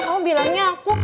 kamu bilangnya aku